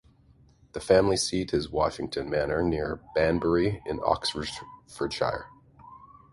The family seat is Wardington Manor near Banbury in Oxfordshire.